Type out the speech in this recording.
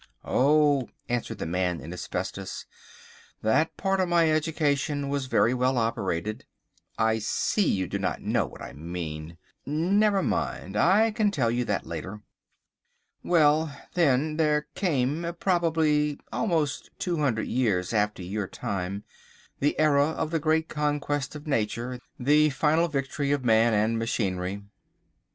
"Oh," answered the Man in Asbestos, "that part of my education was very well operated—I see you do not know what I mean. Never mind, I can tell you that later. Well, then, there came, probably almost two hundred years after your time, the Era of the Great Conquest of Nature, the final victory of Man and Machinery."